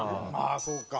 ああそうか。